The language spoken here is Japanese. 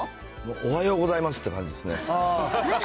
おはようございますって感じですね。